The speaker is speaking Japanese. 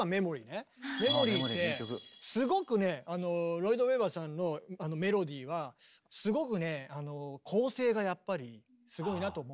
すごくねロイド＝ウェバーさんのメロディーはすごくね構成がやっぱりすごいなと思う。